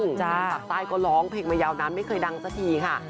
จากปากใต้ก็ร้องเพลงมายาวนานไม่เคยดังสักทีค่ะ